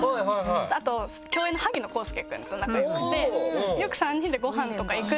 あと競泳の萩野公介くんと仲良くてよく３人でごはんとか行く。